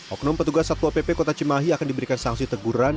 oknum petugas satwa pp kota cimahi akan diberikan sanksi teguran